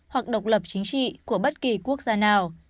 hoặc độc lập chính trị của bất kỳ quốc gia nào